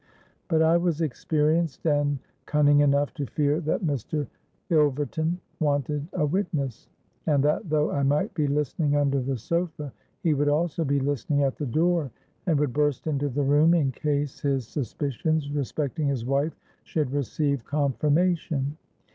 But I was experienced and cunning enough to fear that Mr. Ilverton wanted a witness; and that though I might be listening under the sofa, he would also be listening at the door, and would burst into the room in case his suspicions respecting his wife should receive confirmation.